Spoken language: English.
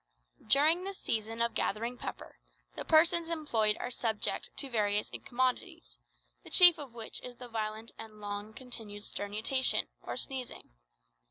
"During the season of gathering pepper, the persons employed are subject to various incommodities, the chief of which is violent and long continued sternutation, or sneezing.